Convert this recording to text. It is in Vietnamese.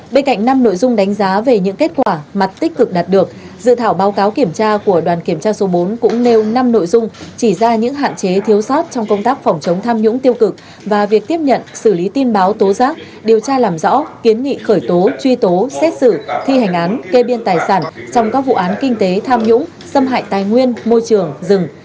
bên cạnh năm nội dung đánh giá về những kết quả mặt tích cực đạt được dự thảo báo cáo kiểm tra của đoàn kiểm tra số bốn cũng nêu năm nội dung chỉ ra những hạn chế thiếu sót trong công tác phòng chống tham nhũng tiêu cực và việc tiếp nhận xử lý tin báo tố giác điều tra làm rõ kiến nghị khởi tố truy tố xét xử thi hành án kê biên tài sản trong các vụ án kinh tế tham nhũng xâm hại tài nguyên môi trường rừng